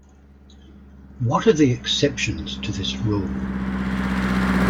What are the exceptions to this rule?